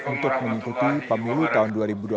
untuk mengikuti pemilu tahun dua ribu dua puluh